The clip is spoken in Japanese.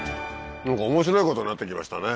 何か面白いことになってきましたね。